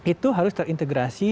itu harus terintegrasi